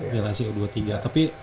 di lsu dua tiga tapi